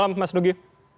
selamat malam mas nugi